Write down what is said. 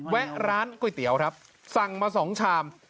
แวะร้านก๋วยเตี๋ยวครับสั่งมา๒ชาม